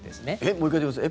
もう１回言ってください。